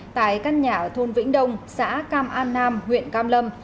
tại căn nhà ở thôn vĩnh đông xã cam an nam huyện cam lâm